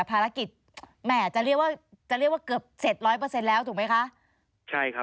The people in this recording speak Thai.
ภารกิจแหม่จะเรียกว่าเกือบเสร็จ๑๐๐แล้วถูกไหมคะ